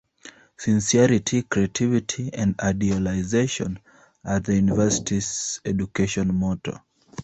Sincerity, Creativity and Idealization are the university's education motto.